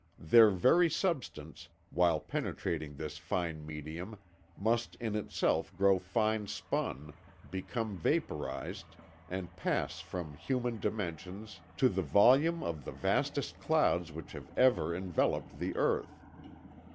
Their very substance, while penetrating this fine medium, must in itself grow fine spun, become vaporised, and pass from human dimensions to the volume of the vastest clouds which have ever enveloped the earth.